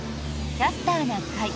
「キャスターな会」。